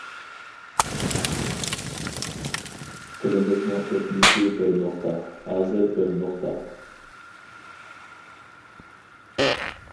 تىلىمىزنىڭ ئۆتمۈشى بىر نۇقتا، ھازىرى بىر نۇقتا.